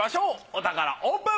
お宝オープン！